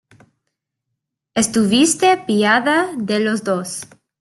estuviste pillada de los dos.